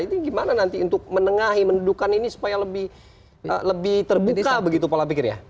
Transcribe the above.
itu gimana nanti untuk menengahi mendudukan ini supaya lebih terbuka begitu pola pikir ya